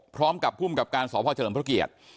พร้อมกับคุมกับการสอบภาคเจริญพระเกียรติ